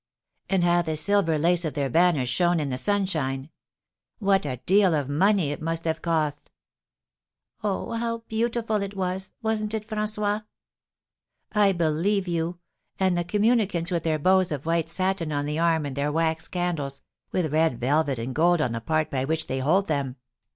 "And how the silver lace of their banners shone in the sunshine! What a deal of money it must have cost!" "Oh, how beautiful it was! Wasn't it, François?" "I believe you! And the communicants with their bows of white satin on the arm, and their wax candles, with red velvet and gold on the part by which they hold them."